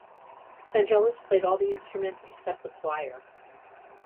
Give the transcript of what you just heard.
Vangelis played all the instruments except the choir.